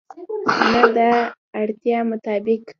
نه، د اړتیا مطابق